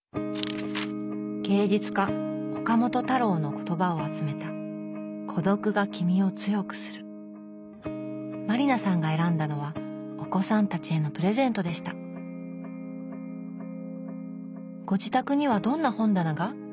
芸術家岡本太郎の言葉を集めた満里奈さんが選んだのはお子さんたちへのプレゼントでしたご自宅にはどんな本棚が？